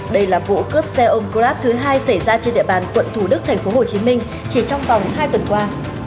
đây là vụ cướp xe ôm grab thứ hai xảy ra trên địa bàn quận thủ đức tp hcm chỉ trong vòng hai tuần qua